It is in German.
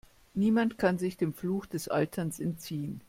Niemand kann sich dem Fluch des Alterns entziehen.